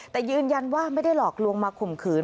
แต่ยืนยันว่าไม่ได้หลอกลวงมาข่มขืน